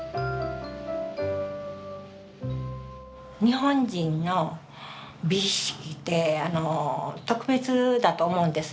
日本人の美意識って特別だと思うんですね。